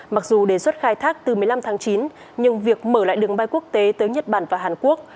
mặc dù đề xuất khai thác từ một mươi năm tháng chín nhưng việc mở lại đường bay quốc tế tới nhật bản và hàn quốc